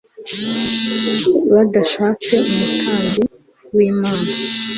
badashatse umutambyi wi mana